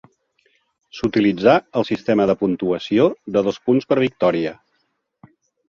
S'utilitzà el sistema de puntuació de dos punts per victòria.